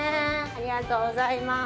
ありがとうございます。